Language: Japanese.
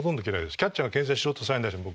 キャッチャーがけん制しようとサイン出しても僕断った。